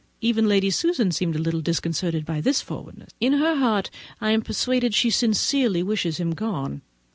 Even Lady Susan seemed a little disconcerted by this forwardness; in her heart I am persuaded she sincerely wished him gone.